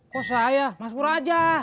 kok saya mas purwaja